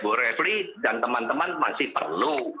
bu refli dan teman teman masih perlu